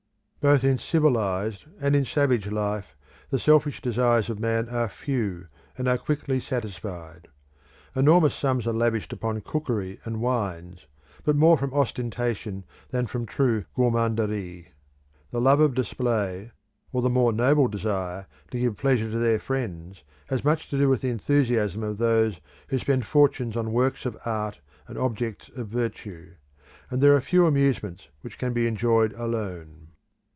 Both in civilised and in savage life the selfish desires of man are few, and are quickly satisfied. Enormous sums are lavished upon cookery and wines, but more from ostentation than from true gourmanderie. The love of display, or the more noble desire to give pleasure to their friends, has much to do with the enthusiasm of those who spend fortunes on works of art and objects of virtue; and there are few amusements which can be enjoyed alone.